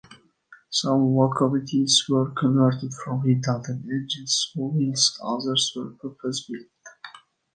Some locomotives were converted from redundant engines, whilst others were purpose built.